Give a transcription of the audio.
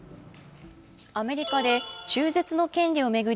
アメリカで中絶の権利を巡り